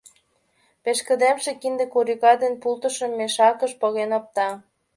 Пешкыдемше кинде курика ден пултышым мешакыш поген опта.